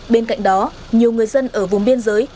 bên cạnh đó nhiều người dân ở vùng biên giới